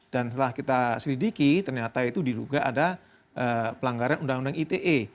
dan setelah kita selidiki ternyata itu diduga ada pelanggaran undang undang ite